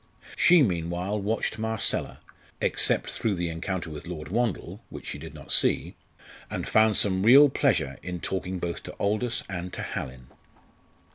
She meanwhile watched Marcella except through the encounter with Lord Wandle, which she did not see and found some real pleasure in talking both to Aldous and to Hallin.